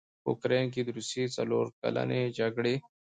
په اوکراین کې د روسیې څلورکلنې جګړې